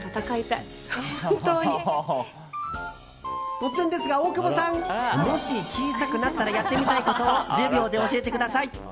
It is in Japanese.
突然ですが、大久保さんもし小さくなったらやってみたいことを１０秒で教えてください。